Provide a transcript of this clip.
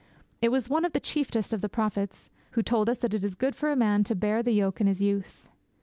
It was one of the chiefest of the prophets who told us that 'it is good for a man to bear the yoke in his youth.'